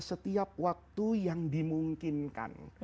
setiap waktu yang dimungkinkan